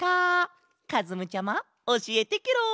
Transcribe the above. かずむちゃまおしえてケロ！